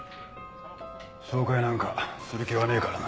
紹介なんかする気はねえからな。